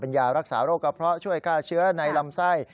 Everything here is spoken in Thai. ยารักษาโรคกระเพาะช่วยฆ่าเชื้อในลำไส้